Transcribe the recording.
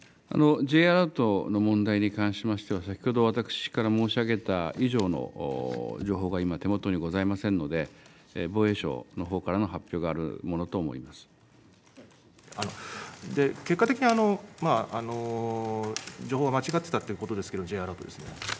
Ｊアラートの問題に関しましては、先ほど、私から申し上げた以上の情報が今、手元にございませんので、防衛省のほうからの発結果的に情報が間違ってたということですけれども、Ｊアラートですね。